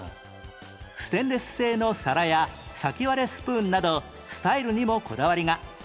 ステンレス製の皿や先割れスプーンなどスタイルにもこだわりが